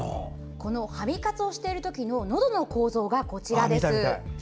このハミ活をしている時ののどの構造がこちらです。